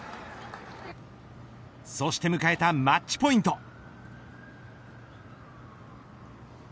そして迎えたマッチポイント。